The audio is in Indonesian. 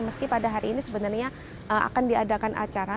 meski pada hari ini sebenarnya akan diadakan acara